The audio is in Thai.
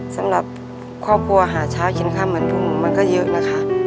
สำหรับครอบครัวหาเช้ากินข้ามวันพรุ่งมันก็เยอะนะคะ